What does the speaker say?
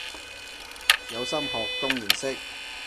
有心學當然識